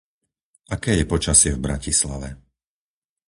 Aké je počasie v Bratislave?